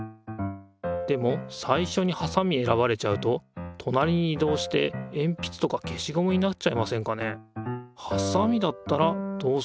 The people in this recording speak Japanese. でもさいしょにはさみ選ばれちゃうととなりに移動してえんぴつとか消しゴムになっちゃいませんかね？